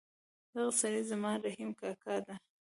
دغه سړی زما رحیم کاکا ده